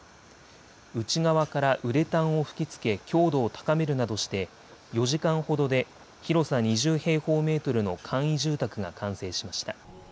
内側からウレタンを吹きつけ強度を高めるなどして４時間ほどで広さ２０平方メートルの簡易住宅が完成しました。